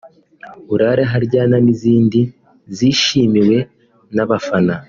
‘Urare aharyana’ n’izindi zishimiwe n’abafana